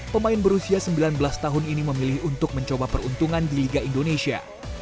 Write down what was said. pemain berusia sembilan belas tahun ini memilih untuk mencoba peruntungan di liga indonesia